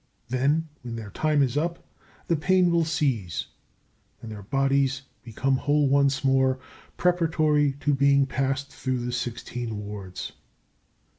Then, when their time is up, the pain will cease and their bodies become whole once more, preparatory to being passed through the sixteen wards.